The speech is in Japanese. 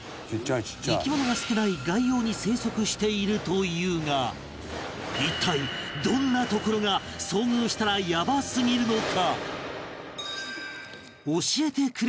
生き物が少ない外洋に生息しているというが一体どんなところが遭遇したらヤバすぎるのか？